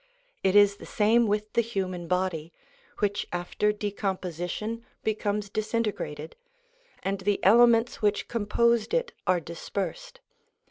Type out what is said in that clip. It is the same with the human body, which after decomposition becomes disintegrated, and the elements which composed it are dispersed.